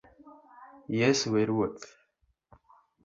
Yesu e Ruoth